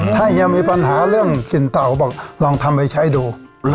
ถ้ายังมีปัญหาเรื่องสินเต่าบอกลองทำไปใช้ดู